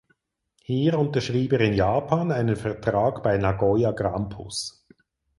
Hier unterschrieb er in Japan einen Vertrag bei Nagoya Grampus.